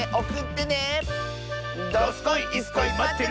どすこいいすこいまってるよ！